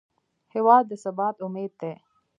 هېواد د ثبات امید دی.